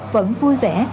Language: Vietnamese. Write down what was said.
vẫn vui vẻ